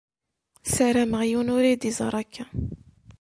Sarameɣ yiwen ur yi-d-iẓaṛ akka.